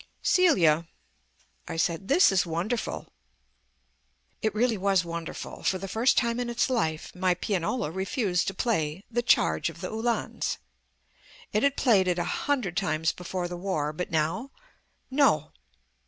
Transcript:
"Celia," I said, "this is wonderful." It really was wonderful. For the first time in its life my pianola refused to play "The Charge of the Uhlans." It had played it a hundred times before the War, but now no!